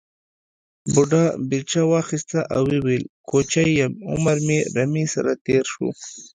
بوډا بېلچه واخیسته او وویل کوچی یم عمر مې رمې سره تېر شو.